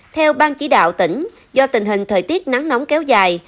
theo bang chỉ đạo tỉnh do tình hình thời tiết nắng nóng kéo dài